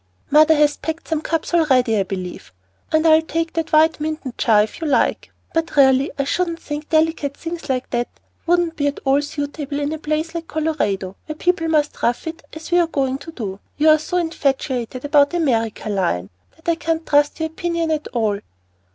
"Mother has packed some cups already, I believe, and I'll take that white Minton jar if you like, but really I shouldn't think delicate things like that would be at all suitable in a new place like Colorado, where people must rough it as we are going to do. You are so infatuated about America, Lion, that I can't trust your opinion at all."